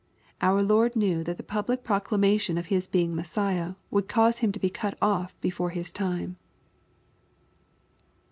Our Lord knew that the public proclamation of His being Messiah, would cause Him to be cut off before His time.